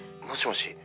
もしもし？